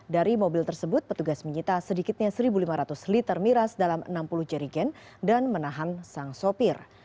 dari mobil tersebut petugas menyita sedikitnya satu lima ratus liter miras dalam enam puluh jerigen dan menahan sang sopir